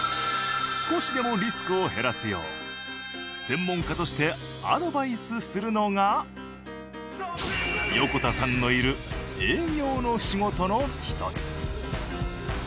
少しでもリスクを減らすよう専門家としてアドバイスするのが横田さんのいる営業の仕事の一つ。